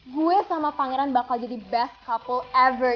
gue sama pangeran bakal jadi best couple ever